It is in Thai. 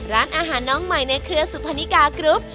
ร้านอาหารน้องใหม่ในเครือสุพนิกากรุ๊ป